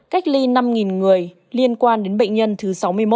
cách ly năm người liên quan đến bệnh nhân thứ sáu mươi một